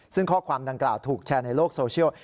ซึ่งข้อความดังกล่าวถูกแชร์ในโลกโซเชียล